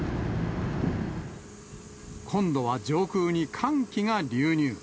今度は上空に寒気が流入。